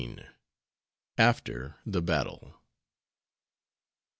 AFTER THE BATTLE.